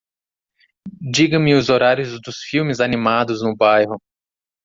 Diga-me os horários dos filmes animados no bairro.